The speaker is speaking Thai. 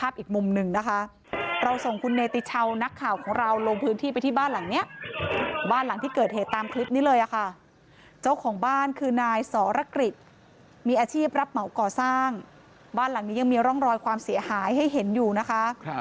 บ้านหลังที่เกิดเหตุตามคลิปนี้เลยค่ะเจ้าของบ้านคือนายสรรคฤษมีอาชีพรับเหมาก่อสร้างบ้านหลังนี้ยังมีร่องรอยความเสียหายให้เห็นอยู่นะคะ